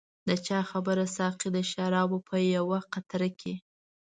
د چا خبره ساقي د شرابو په یوه قطره کې.